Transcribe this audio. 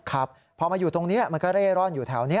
ครับพอมาอยู่ตรงนี้มันก็เร่ร่อนอยู่แถวนี้